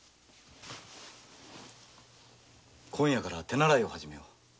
今夜から手習いを始めよう。